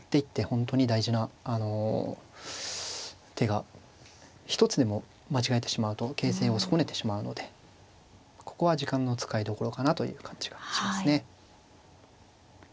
本当に大事な手が一つでも間違えてしまうと形勢を損ねてしまうのでここは時間の使いどころかなという感じがしますね。